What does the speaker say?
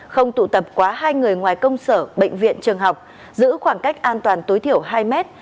không tụ tập quá hai người ngoài công sở bệnh viện trường học giữ khoảng cách an toàn tối thiểu hai mét